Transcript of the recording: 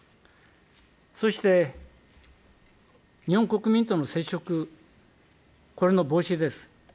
そして日本国民との接触、これの防止です。